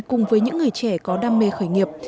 cùng với những người trẻ có đam mê khởi nghiệp